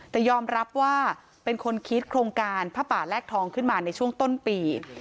แต่ยอมรับว่าเป็นคนคิดโครงการผ้าป่าแลกทองขึ้นมาในช่วงต้นปี